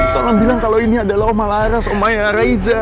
tolong bilang kalo ini adalah omah laras omah ya riza